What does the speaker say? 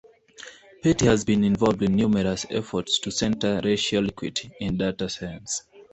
Petty has been involved in numerous efforts to center racial equity in data science.